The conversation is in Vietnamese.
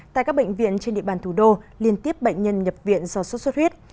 tại các bệnh viện trên địa bàn thủ đô liên tiếp bệnh nhân nhập viện do sốt xuất huyết